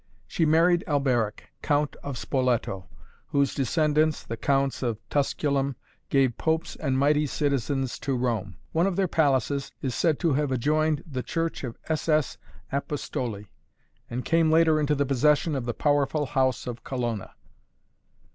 She married Alberic, Count of Spoleto, whose descendants, the Counts of Tusculum, gave popes and mighty citizens to Rome. One of their palaces is said to have adjoined the Church of S. S. Apostoli, and came later into the possession of the powerful house of Colonna.